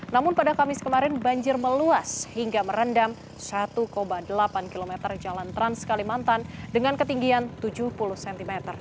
namun pada kamis kemarin banjir meluas hingga merendam satu delapan km jalan trans kalimantan dengan ketinggian tujuh puluh cm